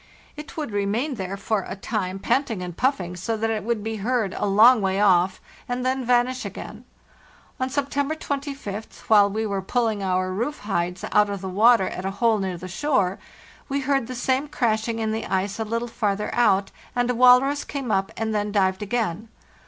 It would remain there for a time panting and puffing so that it would be heard a long way off, and then vanish again. On September 25th, while we were pulling our roof hides out of the water at a hole near the shore, we heard the same crashing in the ice a little farther out, and a walrus came up and then dived again.